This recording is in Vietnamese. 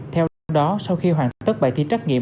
theo đó sau khi hoàn tất bài thi trách nhiệm